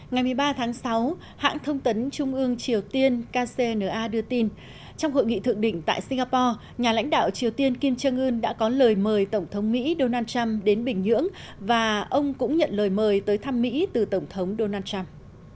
ngày một mươi ba tháng sáu hãng thông tấn trung ương triều tiên kcna đưa tin trong hội nghị thượng đỉnh tại singapore nhà lãnh đạo triều tiên kim jong un đã có lời mời tổng thống mỹ donald trump đến bình nhưỡng và ông cũng nhận lời mời tới thăm mỹ từ tổng thống donald trump